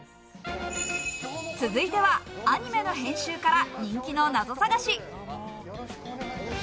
続いてはアニメの編集から人気のナゾ探し。